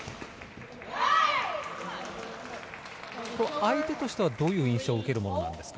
相手としてはどういう印象を受けるものなんですか？